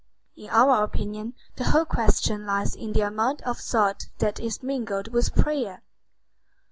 In our opinion the whole question lies in the amount of thought that is mingled with prayer.